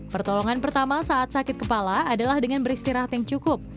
pertolongan pertama saat sakit kepala adalah dengan beristirahat yang cukup